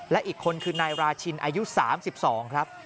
และอีกคนคือนายราชินอายุ๓๒ครับ